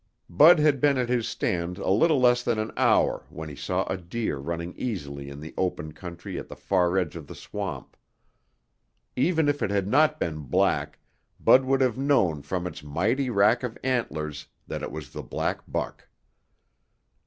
Bud had been at his stand a little less than an hour when he saw a deer running easily in the open country at the far edge of the swamp. Even if it had not been black, Bud would have known from its mighty rack of antlers that it was the black buck.